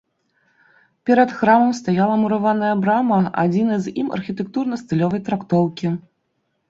Перад храмам стаяла мураваная брама адзінай з ім архітэктурна-стылёвай трактоўкі.